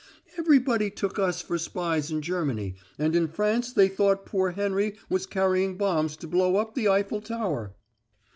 Everybody took us for spies in Germany, and in France they thought poor Henry was carrying bombs to blow up the Eiffel Tower."